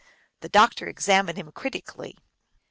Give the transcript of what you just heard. The doc tor examined him critically.